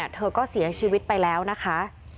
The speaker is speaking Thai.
เธอก็เสียชีวิตไปแล้วนะคะ